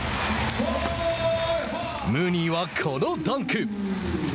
ムーニーはこのダンク。